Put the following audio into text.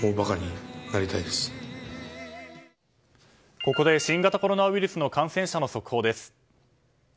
ここで新型コロナウイルスの感染者の速報です。